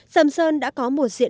sầm sơn đã có một diễn viên